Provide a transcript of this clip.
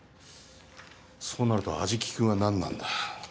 そうなると安食君は何なんだ？